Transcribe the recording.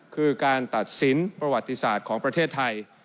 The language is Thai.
คือการตัดสินประวัติศาสตร์ของประเทศไทย